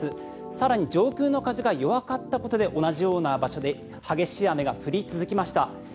更に上空の風が弱かったことで同じような場所で激しい雨が降り続きました。